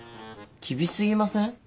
厳しすぎません？